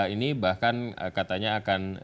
ini bahkan katanya akan